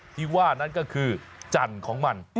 ที่ว่านั้นก็คือจันทร์ของมัน